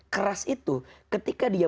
keras itu ketika dia